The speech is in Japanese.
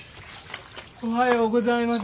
おはようございます。